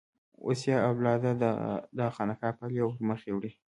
اوس یې اولاده دغه خانقاه پالي او پر مخ یې وړي.